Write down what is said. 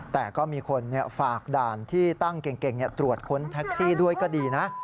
แต่ก็มีคนฝากด่านที่ตั้งเก่งตรวจค้นแท็กซี่ด้วยก็ดีนะ